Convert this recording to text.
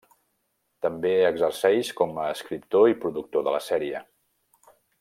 També exerceix com a escriptor i productor de la sèrie.